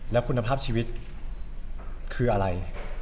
แล้วคุณภาพชีวิตคืออะไร